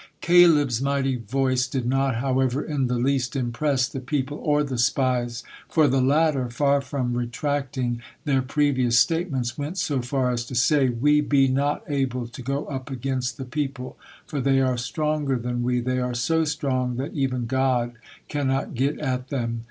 Caleb's mighty voice did not, however, in the least impress the people or the spies, for the latter, far from retracting their previous statements, went so far as to say: "We be not able to go up against the people; for they are stronger than we, they are so strong that even God can not get at them.